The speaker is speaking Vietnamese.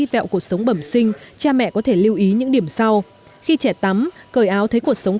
vẹo cuộc sống bẩm sinh cha mẹ có thể lưu ý những điểm sau khi trẻ tắm cởi áo thấy cuộc sống